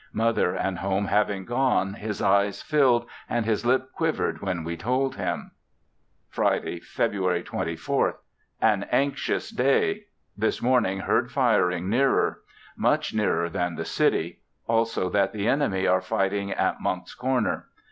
Mother and home having gone, his eyes filled and his lip quivered when we told him. Friday, February 24th. An anxious day. This morning heard firing, nearer; much nearer than the city; also that the enemy are fighting at Monck's Corner.